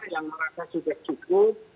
yang merasa sudah cukup